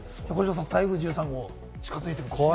台風１３号、近づいてきてますね。